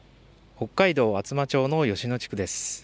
北海道厚真町の吉野地区です。